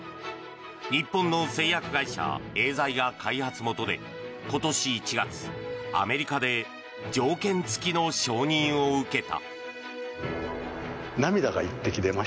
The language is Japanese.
日本の製薬会社エーザイが開発元で今年１月、アメリカで条件付きの承認を受けた。